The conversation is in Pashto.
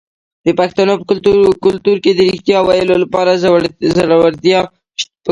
د پښتنو په کلتور کې د ریښتیا ویلو لپاره زړورتیا پکار ده.